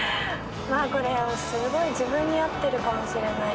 これすごい自分に合ってるかもしれない。